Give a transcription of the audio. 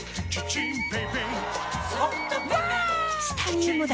チタニウムだ！